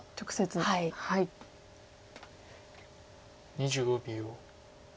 ２５秒。